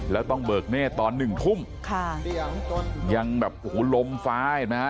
แล้วต้องเบิกเนธตอนหนึ่งทุ่มค่ะยังแบบโอ้โหลมฟ้าเห็นไหมฮะ